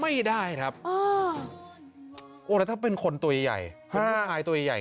ไม่ได้แล้วถ้าเป็นคนตัวใหญ่